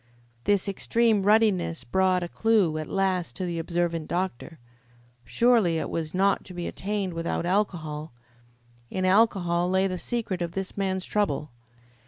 This extreme ruddiness brought a clue at last to the observant doctor. Surely it was not to be attained without alcohol. In alcohol lay the secret of this man's trouble.